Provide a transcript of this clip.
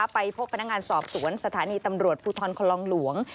ไปพบพนักงานสอบสวนสถานีตำรวจภูทรคลองหลวง